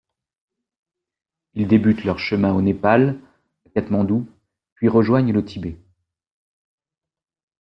Ils débutent leur chemin au Népal, à Katmandou, puis rejoignent le Tibet.